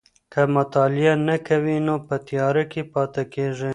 که مطالعه نه کوې نو په تياره کي پاته کېږې.